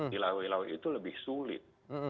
di lawe lawe itu lebih sulit